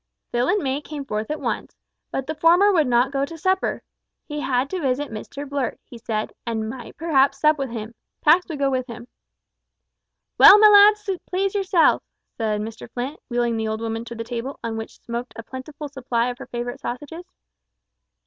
Phil and May came forth at once, but the former would not remain to supper. He had to visit Mr Blurt, he said, and might perhaps sup with him. Pax would go with him. "Well, my lads, please yourselves," said Mr Flint, wheeling the old woman to the table, on which smoked a plentiful supply of her favourite sausages.